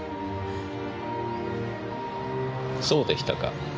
そうでしたか。